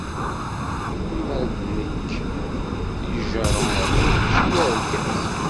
Ma d nekk, d ijirmeḍ mačči d argaz.